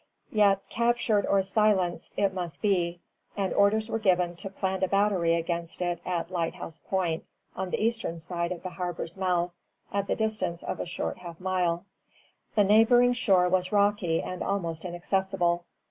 Yet captured or silenced it must be; and orders were given to plant a battery against it at Lighthouse Point, on the eastern side of the harbor's mouth, at the distance of a short half mile. The neighboring shore was rocky and almost inaccessible.